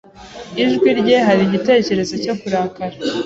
Ijwi rye hari igitekerezo cyo kurakara.